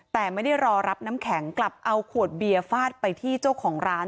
แต่ไม่ได้รอรับน้ำแข็งกลับเอาขวดเบียร์ฟาดไปที่เจ้าของร้าน